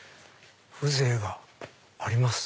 風情があります。